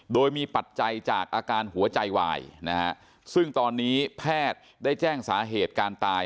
โดยมีปัจจัยจากอาการหัวใจวายนะฮะซึ่งตอนนี้แพทย์ได้แจ้งสาเหตุการตาย